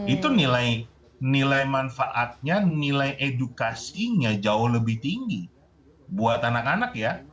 itu nilai manfaatnya nilai edukasinya jauh lebih tinggi buat anak anak ya